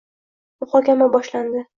Muhokama boshlandi.